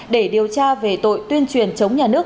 để điều tra về tội tuyên truyền chống nhà nước